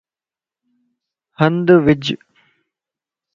ھنڌ وج